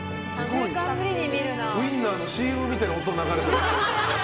ウインナーのＣＭみたいな音流れている。